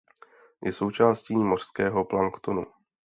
Je součástí mořského planktonu.